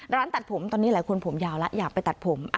ร้านตัดผมตอนนี้หลายคนผมยาวแล้วอยากไปตัดผม